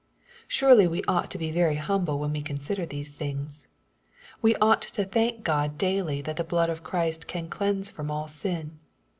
Surely we ought to be very humble when we consider these things. We ought to thank God daily that the blood of Christ can cleanse from all sin.